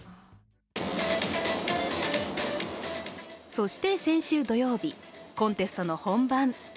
そして先週土曜日、コンテストの本番。